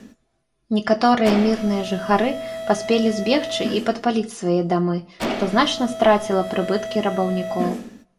Некаторыя мірныя жыхары паспелі збегчы і падпаліць свае дамы, што значна страціла прыбыткі рабаўнікоў.